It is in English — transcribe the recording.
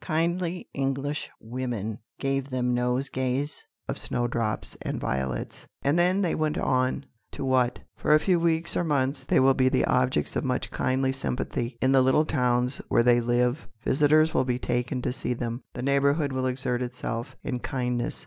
Kindly English women gave them nosegays of snowdrops and violets. And then they went on to what? For a few weeks, or months, they will be the objects of much kindly sympathy. In the little towns where they live visitors will be taken to see them. The neighbourhood will exert itself in kindness.